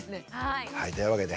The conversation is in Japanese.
はいというわけで。